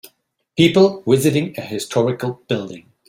People visiting a historical building.